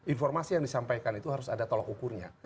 informasi yang disampaikan itu harus ada tolak ukurnya